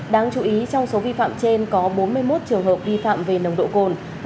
đáng chú ý trong số vi phạm trên có bốn mươi một trường hợp vi phạm về nồng độ cồn